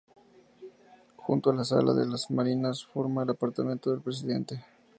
Junto a la Sala de las Marinas forma el apartamento del Presidente.